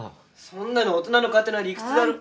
そんなの大人の勝手な理屈だろ。